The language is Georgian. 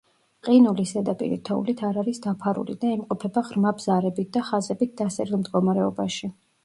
ყინულის ზედაპირი თოვლით არ არის დაფარული და იმყოფება „ღრმა ბზარებით და ხაზებით დასერილ“ მდგომარეობაში.